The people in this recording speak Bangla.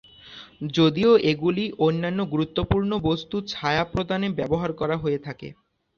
যদিও এগুলি অন্যান্য গুরুত্বপূর্ণ বস্তু ছায়া প্রদানে ব্যবহার করা হয়ে থাকে।